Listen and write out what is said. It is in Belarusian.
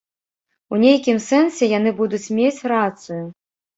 І нейкім сэнсе яны будуць мець рацыю.